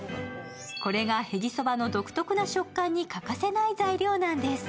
これがへぎそばの独特な食感に欠かせない材料なんです。